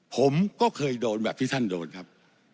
ผมก็เคยโดนแบบที่ท่านโดนครับ